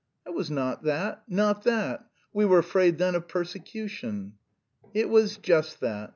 "That was not that, not that.... we were afraid then of persecution...." "It was just that.